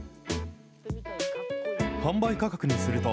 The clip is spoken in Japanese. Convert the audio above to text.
販売価格にすると、